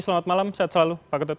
selamat malam sehat selalu pak ketut